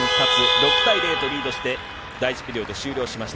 ６対０とリードして、第１ピリオド終了しました。